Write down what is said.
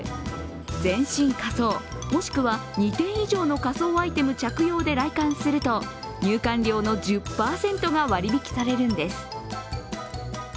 全身仮装、もしくは２点以上の仮装アイテム着用で来館すると入館料の１０％が割引されるんです。